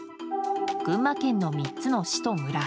群馬県の３つの市と村。